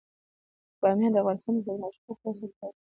بامیان د افغانستان د تکنالوژۍ پرمختګ سره تړاو لري.